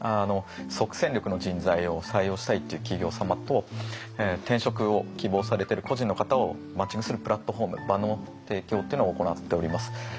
即戦力の人材を採用したいという企業様と転職を希望されている個人の方をマッチングするプラットフォーム場の提供っていうのを行っております。